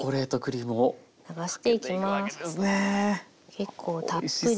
結構たっぷり。